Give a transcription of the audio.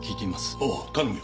ああ頼むよ。